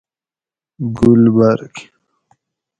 گلبرگ